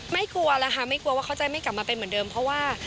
กลัวแล้วค่ะไม่กลัวว่าเขาจะไม่กลับมาเป็นเหมือนเดิมเพราะว่า